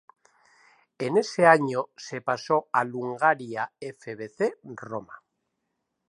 En ese año se pasó al Hungaria FbC Roma.